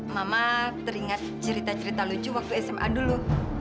mama teringat cerita cerita lucu waktu sma dulu